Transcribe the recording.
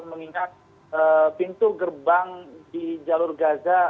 mengingat pintu gerbang di jalur gaza